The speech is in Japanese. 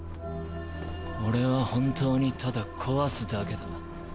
俺は本当にただ壊すだけだ。